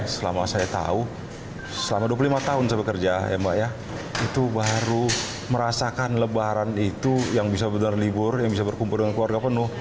selama saya tahu selama dua puluh lima tahun saya bekerja itu baru merasakan lebaran itu yang bisa berlibur yang bisa berkumpul dengan keluarga penuh